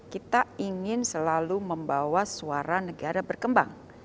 kita ingin selalu membawa suara negara berkembang